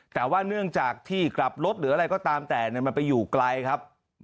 แต่ว่าเนื่องจากที่กลับรถหรืออะไรก็ตามแต่มันไปอยู่ไกลครับ